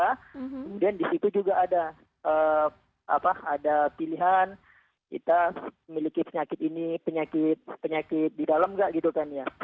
kemudian di situ juga ada pilihan kita memiliki penyakit ini penyakit penyakit di dalam nggak gitu kan ya